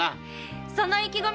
その意気込み！